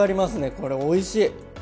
これおいしい！